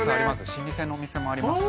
老舗のお店もありますしね